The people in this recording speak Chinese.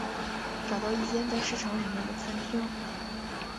找到一间在市场里面的餐厅